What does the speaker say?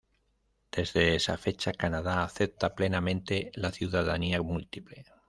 Desde esa fecha Canadá acepta plenamente la ciudadanía múltiple.